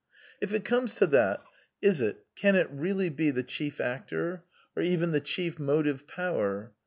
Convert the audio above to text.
If it comes to that, is it, can it be, really the chief actor? Or even the chief motive power?